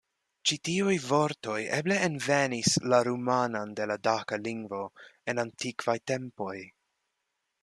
Ĉi tiuj vortoj eble envenis la rumanan de la daka lingvo en antikvaj tempoj.